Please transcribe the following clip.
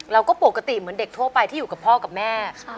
เราก็ปกติเหมือนเด็กทั่วไปที่อยู่กับพ่อกับแม่